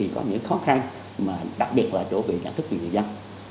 có những khó khăn đặc biệt là chỗ bị nhận thức của người dân